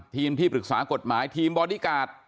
ที่ปรึกษากฎหมายทีมบอดี้การ์ด